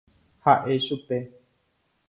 Ha'e chupe.